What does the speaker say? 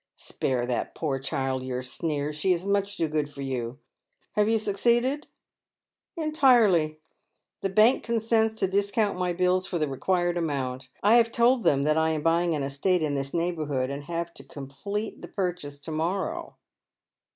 " Spare that poor child your sneers. She is much too good for you. Have you succeeded ?"" Entirely. The bank consents to discount my bills for the required amount. I have told them that I am buying an estate in this neighbourhood, and have to complete the purchase to morrow."